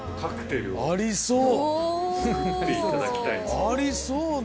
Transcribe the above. ありそうね